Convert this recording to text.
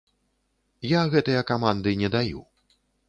Я гэтыя каманды не даю.